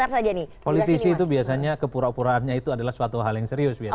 tapi rifana begini politisi itu biasanya kepura puraannya itu adalah suatu hal yang serius